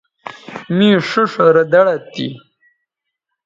می ݜیئݜ رے دڑد تھی